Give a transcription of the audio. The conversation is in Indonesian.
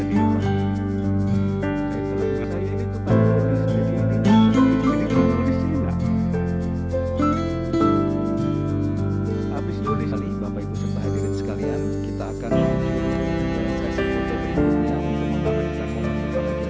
yang terhormat bapak haji yusuf kala beserta ibu